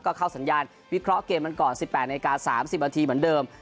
ก็เข้าสัญญาณวิเคราะห์เกมกันก่อน๑๘นาที๓๐นาทีเหมือนเดิม